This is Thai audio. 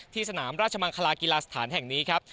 สนามราชมังคลากีฬาสถานแห่งนี้ครับ